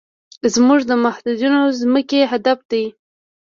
زموږ د متحدینو ځمکې هدف دی.